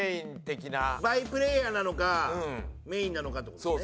バイプレーヤーなのかメインなのかって事ですね。